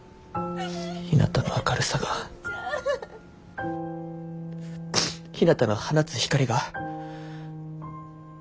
ひなたの明るさがひなたの放つ光が。